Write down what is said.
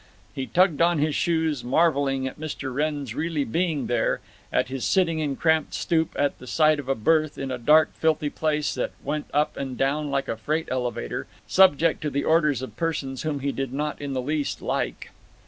He tugged on his shoes, marveling at Mr. Wrenn's really being there, at his sitting in cramped stoop on the side of a berth in a dark filthy place that went up and down like a freight elevator, subject to the orders of persons whom he did not in the least like.